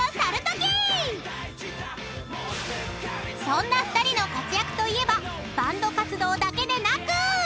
［そんな２人の活躍といえばバンド活動だけでなく］